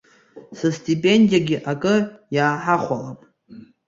Сыстипендиагьы акы иааҳахәалап.